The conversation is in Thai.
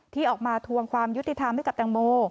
ที่ออกมาทวงความยุติธรรมให้กับแตงโม